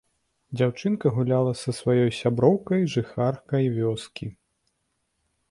Дзяўчынка гуляла са сваёй сяброўкай, жыхаркай вёскі.